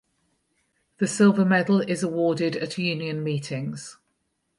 The silver medal is awarded at union meetings.